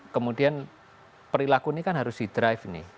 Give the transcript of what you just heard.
kemudian perilaku ini kan harus di drive nih